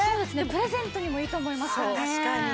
プレゼントにもいいと思いますからね。